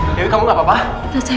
bu dewi kamu gak apa apa